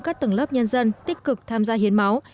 các tầng lớp nhân dân tích cực tham gia hiến máu